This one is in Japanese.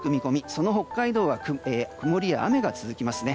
その北海道は曇りや雨が続きますね。